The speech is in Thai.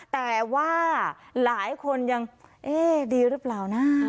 แต่ว่าหลายคนยังเอ๊ะดีหรือเปล่านะ